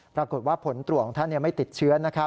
ปรากฏว่าผลตรวจของท่านไม่ติดเชื้อ